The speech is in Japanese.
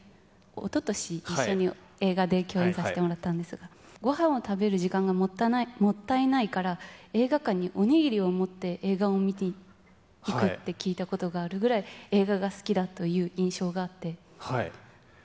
おととし一緒に映画で共演させてもらったんですが、ごはんを食べる時間がもったいないから、映画館にお握りを持って映画を見に行くって聞いたことがあるくらい、映画が好きだという印象があって。